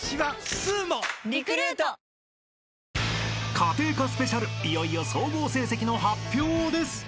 ［家庭科スペシャルいよいよ総合成績の発表です］